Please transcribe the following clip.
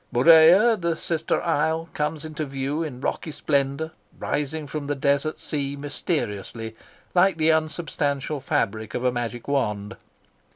Murea, the sister isle, comes into view in rocky splendour, rising from the desert sea mysteriously, like the unsubstantial fabric of a magic wand.